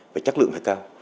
và chất lượng phải cao